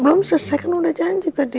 belum selesai kan udah janji tadi